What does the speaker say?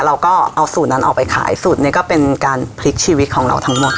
เราก็เอาสูตรนั้นออกไปขายสูตรนี้ก็เป็นการพลิกชีวิตของเราทั้งหมด